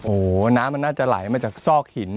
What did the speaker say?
โอ้โหน้ำมันน่าจะไหลมาจากซอกหิน